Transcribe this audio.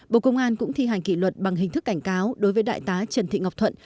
bộ công an cũng thi hành kỷ luật bằng hình thức cảnh cáo đối với đại tá trần thị ngọc thuận